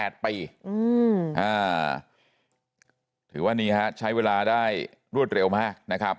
ถือว่านี่ใช้เวลาได้รวดเร็วมาก